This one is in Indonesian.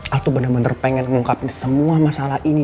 al tuh bener bener pengen mengungkapi semua masalah ini